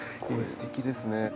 これすてきですね。